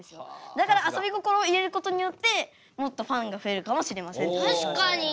だからあそび心を入れることによってもっとファンが増えるかもしれません。